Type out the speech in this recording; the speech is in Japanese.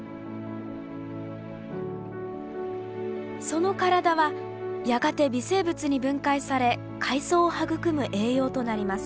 その体はやがて微生物に分解され海藻を育む栄養となります。